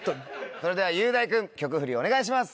それでは雄大君曲フリお願いします。